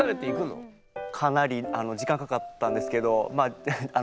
かなり時間かかったんですけどまあえ！